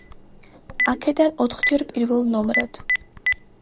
აქედან ოთხჯერ პირველ ნომრად.